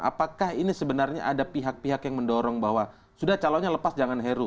apakah ini sebenarnya ada pihak pihak yang mendorong bahwa sudah calonnya lepas jangan heru